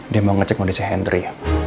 dia mau ngecek kondisi henry